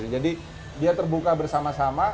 jadi dia terbuka bersama sama